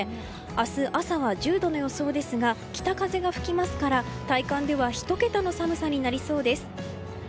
明日朝は１０度の予想ですが北風が吹きますから体感では１桁の寒さになりそうです。